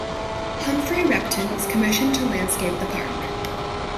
Humphry Repton was commissioned to landscape the park.